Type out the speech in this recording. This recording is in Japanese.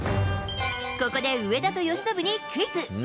ここで上田と由伸にクイズ。